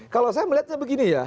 kalau saya melihatnya begini ya